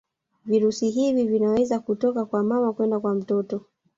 virusi hivi vinaweza kutoka kwa mama kwenda kwa mtoto